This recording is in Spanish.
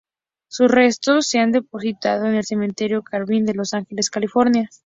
Sus restos se depositaron en el Cementerio Calvary de Los Ángeles, California.